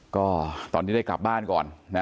ก็ตอนนี้ได้กลับบ้านก่อนนะ